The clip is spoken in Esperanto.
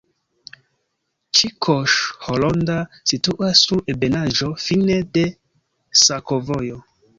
Ĉikoŝ-Horonda situas sur ebenaĵo fine de sakovojo.